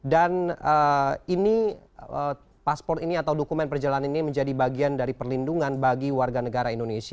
dan ini pasport ini atau dokumen perjalanan ini menjadi bagian dari perlindungan bagi warga negara indonesia